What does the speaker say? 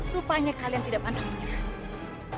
rupanya kalian tidak pantang nyai